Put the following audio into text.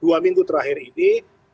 dua minggu terakhir ini